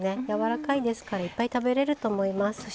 柔らかいですからいっぱい食べれると思います。